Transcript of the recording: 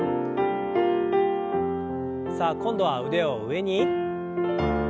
さあ今度は腕を上に。